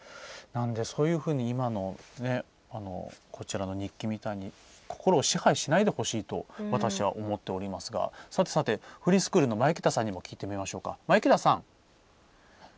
そういうふうに今のこちらの日記みたいに心を支配しないでほしいと私は思っておりますが、さてフリースクールの前北さんにも聞いてみましょうか。